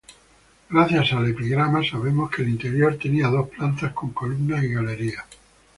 Gracias al epigrama sabemos que el interior tenía dos plantas con columnatas y galerías.